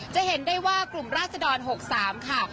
จะเห็นได้ว่ากลุ่มราชดร๖๓ค่ะ